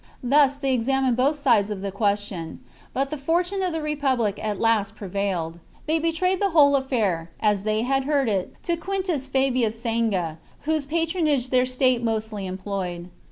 Thus they ex amined both sides of the question ; but the fortune of the republic at last prevailed. They betrayed the whole affair, just as they had heard it, to Quintus Fabius Sanga, whose patronage their state mostly employed.